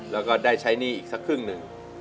แล้วก็ได้ใช้หนี้อีกสักครึ่งหนึ่ง